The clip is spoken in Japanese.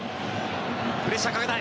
プレッシャーかけたい。